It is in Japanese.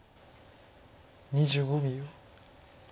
２５秒。